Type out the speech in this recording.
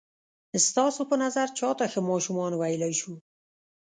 ستاسو په نظر چاته ښه ماشومان ویلای شو؟